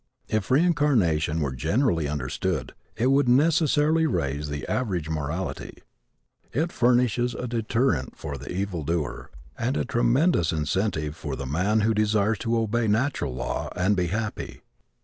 If reincarnation were generally understood it would necessarily raise the average of morality. It furnishes a deterrent for the evil doer and a tremendous incentive for the man who desires to obey natural law and be happy.